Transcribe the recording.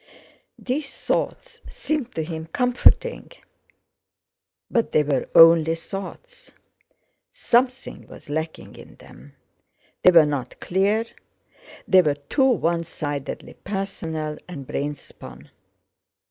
These thoughts seemed to him comforting. But they were only thoughts. Something was lacking in them, they were not clear, they were too one sidedly personal and brain spun.